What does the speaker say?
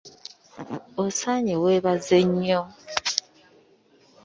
Osaanye weebaze nnyo